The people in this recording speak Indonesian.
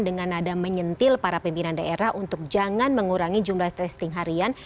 dengan nada menyentil para pimpinan daerah untuk jangan mengurangi jumlah testing harian